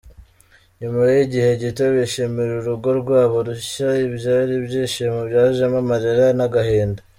Nyuma y'igihe gito bishimira urugo rwabo rushya, ibyari ibyishimo byajemo amarira n'agahinda.